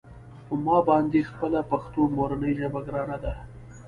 په ما باندې خپله پښتو مورنۍ ژبه ګرانه ده.